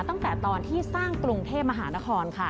ตั้งแต่ตอนที่สร้างกรุงเทพมหานครค่ะ